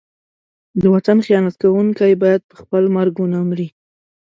د وطن خیانت کوونکی باید په خپل مرګ ونه مري.